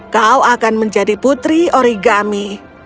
kau akan menjadi putri origami